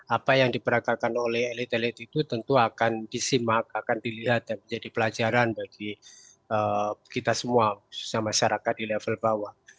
apa yang diperagakan oleh elit elit itu tentu akan disimak akan dilihat dan menjadi pelajaran bagi kita semua masyarakat di level bawah